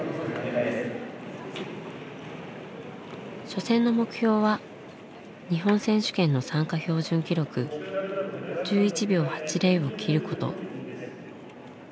初戦の目標は日本選手権の参加標準記録１１秒８０を切ること。